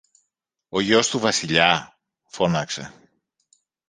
Ο γιος του Βασιλιά; φώναξε.